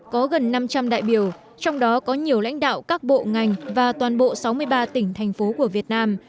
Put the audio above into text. có gần năm trăm linh đại biểu trong đó có nhiều lãnh đạo các bộ ngành và toàn bộ sáu mươi ba tỉnh thành phố của việt nam